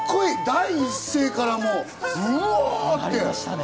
第一声からもう、うわって。